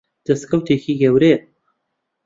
دەستکەوتێکی گەورەیە.